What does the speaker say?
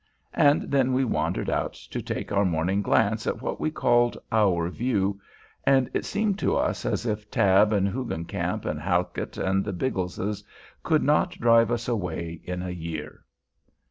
And then we wandered out to take our morning glance at what we called "our view"; and it seemed to us as if Tabb and Hoogencamp and Halkit and the Biggleses could not drive us away in a year.